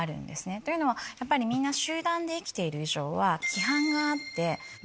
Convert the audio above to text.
というのはやっぱりみんな集団で生きている以上は。